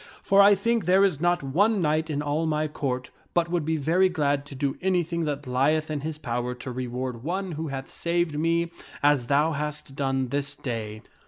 For I think there is not one knight in all my Court but would be very glad to do anything that lieth in his power to reward one who hath saved me as thou hast done this day."